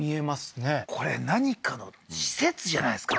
これ何かの施設じゃないですか？